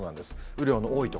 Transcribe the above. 雨量の多い所。